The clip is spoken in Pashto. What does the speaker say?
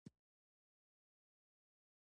ژبنی بدلون د ټولنیزو بدلونونو انعکاس دئ.